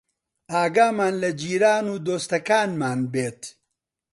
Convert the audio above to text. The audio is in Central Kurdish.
ئاگامان لە جیران و دۆستەکانمان بێت